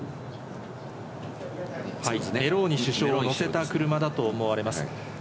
メローニ首相を乗せた車だと思われます。